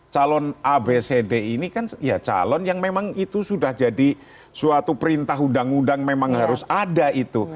calon abcd ini kan ya calon yang memang itu sudah jadi suatu perintah undang undang memang harus ada itu